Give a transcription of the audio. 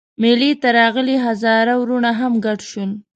مېلې ته راغلي هزاره وروڼه هم ګډ شول.